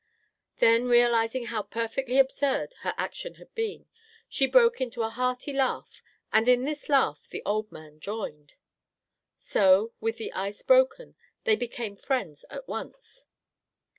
Then, realizing how perfectly absurd her action had been, she broke into a hearty laugh and in this laugh the old man joined. So, with the ice broken, they became friends at once.